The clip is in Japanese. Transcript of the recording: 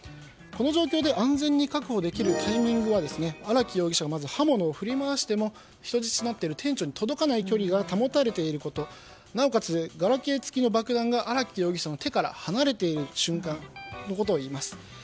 この状況で安全に確保できるタイミングは荒木容疑者が刃物を振り回しても人質になっている店長に届かない距離が保たれていることなおかつ、ガラケー付きの爆弾が荒木容疑者の手から離れている瞬間のことをいいます。